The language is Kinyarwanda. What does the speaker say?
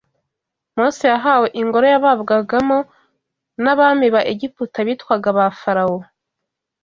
Mose yahawe ingoro yababwagamo n’abami ba Egiputa bitwaga ba Farawo